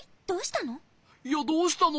いや「どうしたの？」